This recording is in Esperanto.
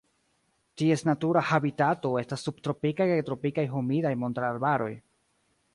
Ties natura habitato estas subtropikaj kaj tropikaj humidaj montararbaroj.